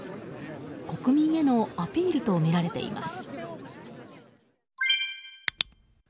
国民へのアピールとみられています。